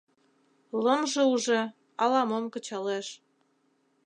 Лымже уже — ала-мом кычалеш.